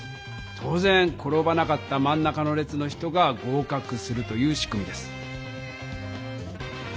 当ぜん転ばなかったまん中の列の人が合かくするという仕組みです。